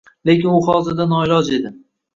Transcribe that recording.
Lekin u hozirda noiloj edi..